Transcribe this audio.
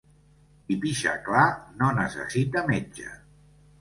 Qui pixa clar no necessita metge.